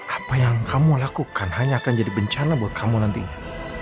apa yang kamu lakukan hanya akan jadi bencana buat kamu nantinya